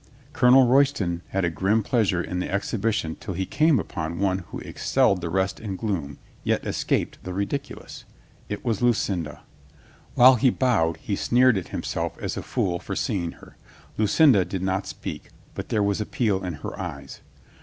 Colonel Royston had a grim pleasure in the exhibition till he came upon one who excelled the rest in gloom, yet escaped the ridiculous. It was Lucinda, While he bowed he sneered at himself as a fool for seeing her. Lucinda did not speak, but there was appeal in her eyes.